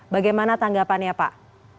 bagaimana tanggapannya pak